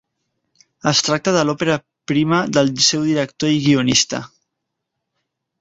Es tracta de l'òpera prima del seu director i guionista.